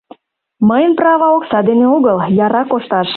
Мыйын права — окса дене огыл, яра кошташ.